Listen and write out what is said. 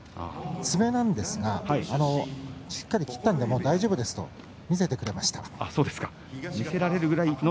爪ですがしっかり切ったので大丈夫ですと見せてくれました。